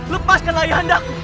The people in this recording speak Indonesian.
lepaskanlah ayah anda